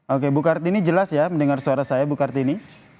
oke bu kartini jelas ya mendengar suara saya bu kartini